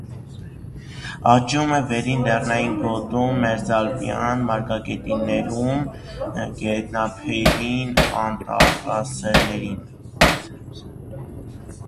Աճում է վերին լեռնային գոտու մերձալպյան մարգագետիններում, գետնափերին, անտառաեզրերին։